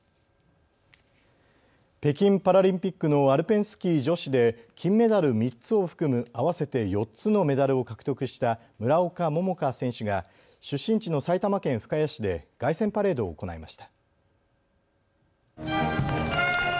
北京パラリンピックのアルペンスキー女子で金メダル３つを含む合わせて４つのメダルを獲得した村岡桃佳選手が出身地の埼玉県深谷市で凱旋パレードを行いました。